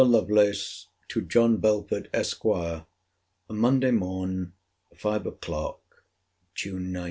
LOVELACE, TO JOHN BELFORD, ESQ. MONDAY MORN. FIVE O'CLOCK (JUNE 19.)